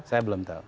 saya belum tahu